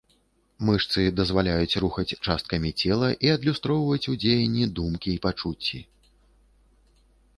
Мышцы дазваляюць рухаць часткамі цела і адлюстраваць у дзеянні думкі і пачуцці.